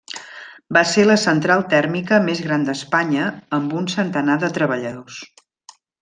Va ser la central tèrmica més gran d'Espanya amb un centenar de treballadors.